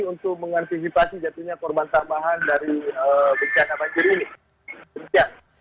untuk mengansipasi jatuhnya korban tambahan dari berjaya berjaya ini